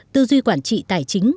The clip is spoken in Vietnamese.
tư duy quản trị tài chính